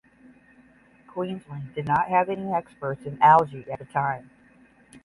Queensland did not have any experts in algae at the time.